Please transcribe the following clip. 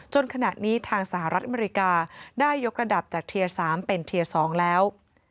ขณะนี้ทางสหรัฐอเมริกาได้ยกระดับจากเทียร์๓เป็นเทียร์๒แล้ว